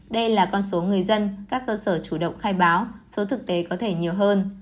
đây là con số người dân các cơ sở chủ động khai báo số thực tế có thể nhiều hơn